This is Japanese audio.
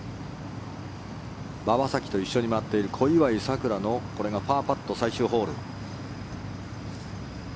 馬場咲希と一緒に回っている小祝さくらのパーパット最終ホール。